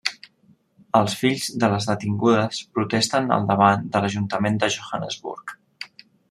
Els fills de les detingudes protesten al davant de l'ajuntament de Johannesburg.